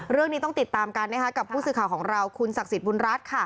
เรื่องนี้ต้องติดตามกันกับผู้สื่อข่าวของเราคุณศักดิ์สิทธิบุญรัฐ